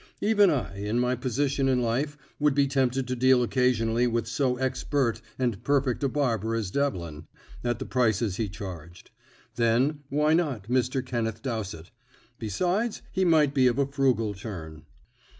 Even I, in my position in life, would be tempted to deal occasionally with so expert and perfect a barber as Devlin, at the prices he charged. Then, why not Mr. Kenneth Dowsett? Besides, he might be of a frugal turn.